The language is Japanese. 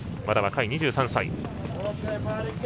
まだ若い２３歳。